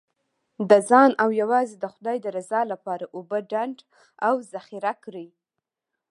د ځان او یوازې د خدای د رضا لپاره اوبه ډنډ او ذخیره کړئ.